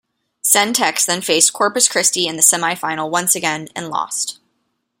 CenTex then faced Corpus Christi in the semifinal once again, and lost.